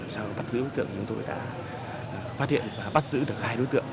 sau bắt giữ đối tượng chúng tôi đã phát hiện và bắt giữ được hai đối tượng